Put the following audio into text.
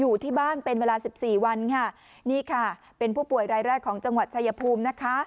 อยู่ที่บ้านเป็นเวลาสิบสี่วันค่ะนี่ค่ะเป็นผู้ป่วยรายแรกของจังหวัดชายภูมินะคะ